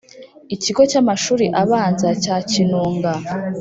Ikigo cy amashuri abanza cya kinunga